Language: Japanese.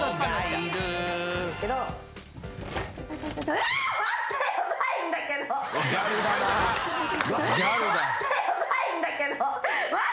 ヤバいんだけど。